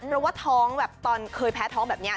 เพราะว่าท้องแบบตอนเคยแพ้ท้องแบบนี้